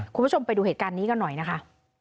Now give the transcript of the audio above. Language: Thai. คุณผู้ชมไปดูเหตุการณ์นี้กันหน่อยนะคะ